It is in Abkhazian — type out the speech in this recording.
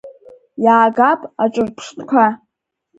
Иаагап аҿырԥштәқәа…